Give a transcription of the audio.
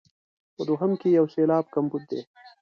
په دوهم کې یو سېلاب کمبود دی.